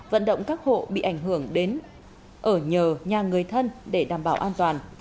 vận động các hộ bị ảnh hưởng đến ở nhờ nhà người thân để đảm bảo an toàn